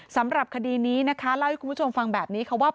สำหรับคดีนี้นะคะเล่าให้คุณผู้ชมฟังแบบนี้ค่ะว่า